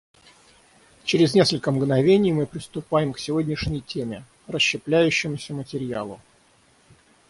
Через несколько мгновений мы приступаем к сегодняшней теме − расщепляющемуся материалу.